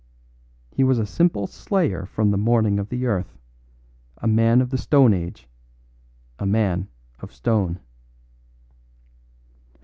He was a simple slayer from the morning of the earth; a man of the stone age a man of stone.